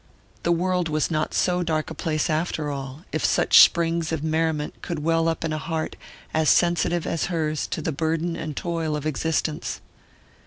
The world was not so dark a place after all, if such springs of merriment could well up in a heart as sensitive as hers to the burden and toil of existence.